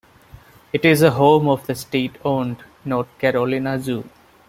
It is the home of the state-owned North Carolina Zoo.